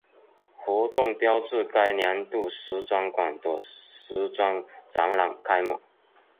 活动标志该年度时装馆的时装展览开幕。